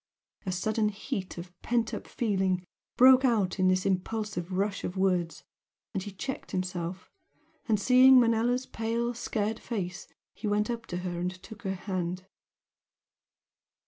A sudden heat of pent up feeling broke out in this impulsive rush of words; he checked himself, and seeing Manella's pale, scared face he went up to her and took her hand.